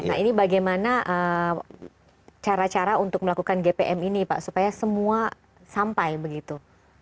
nah ini bagaimana cara cara untuk melakukan gpm ini pak supaya semua sampai begitu